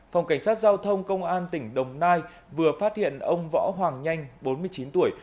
phòng cảnh sát giao thông công an tỉnh đồng nai vừa phát hiện ông võ hoàng nhanh bốn mươi chín tuổi